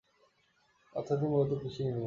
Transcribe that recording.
অর্থনীতি প্রধানত কৃষি নির্ভর।